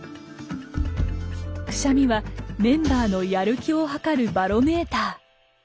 クシャミはメンバーの「やる気」をはかるバロメーター。